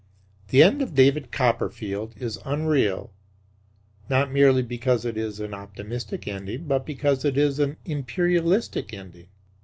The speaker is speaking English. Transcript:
The end of "David Copperfield" is unreal not merely because it is an optimistic ending, but because it is an Imperialistic ending.